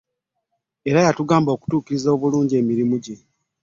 Era eyayamba okutuukiriza obulungi emirimu gye.